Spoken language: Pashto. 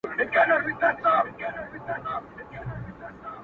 زه سجدې ته وم راغلی تا پخپله یم شړلی-